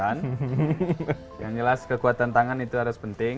yang jelas kekuatan tangan itu harus penting